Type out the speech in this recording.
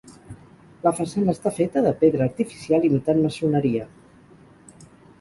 La façana està feta de pedra artificial imitant maçoneria.